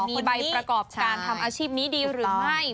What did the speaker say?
มีใบประกอบการทำอาชีพนี้ดีหรือไม่